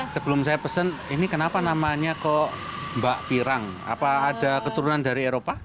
sebelum saya pesen ini kenapa namanya kok mbak pirang apa ada keturunan dari eropa